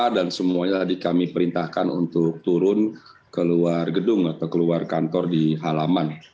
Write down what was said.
dan semuanya tadi kami perintahkan untuk turun keluar gedung atau keluar kantor di halaman